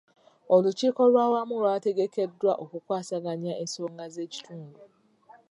Olukiiko lwawamu lwategekeddwa okukwasaganya ensonga z'ekitundu.